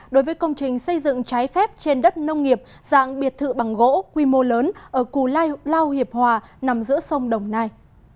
đối với công trình xây dựng trái phép trên đất nông nghiệp dạng biệt thự bằng gỗ quy mô lớn ở cù lao hiệp hòa nằm giữa sông đồng nai